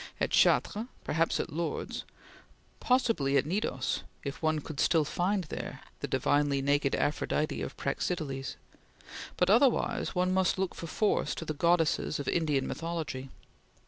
At Chartres perhaps at Lourdes possibly at Cnidos if one could still find there the divinely naked Aphrodite of Praxiteles but otherwise one must look for force to the goddesses of Indian mythology.